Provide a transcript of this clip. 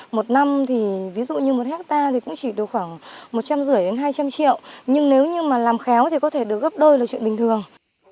một năm thì ví dụ như một hectare thì cũng chỉ được khoảng một trăm linh rưỡi đến hai trăm linh triệu nhưng nếu như mà làm khéo thì có thể được gấp đôi là chuyện bình thường